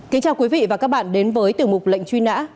kính chào quý vị và các bạn đến với tiểu mục lệnh truy nã